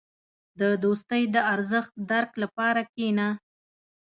• د دوستۍ د ارزښت درک لپاره کښېنه.